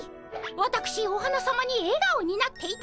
わたくしお花さまにえがおになっていただきたい。